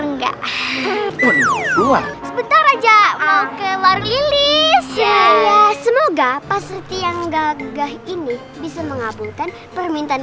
enggak buah buah sebentar aja oke waris semoga pasti yang gagah ini bisa mengabulkan permintaan